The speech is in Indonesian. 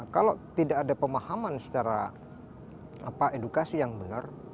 kalau tidak ada pemahaman secara edukasi yang benar